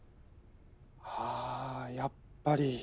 ああやっぱり。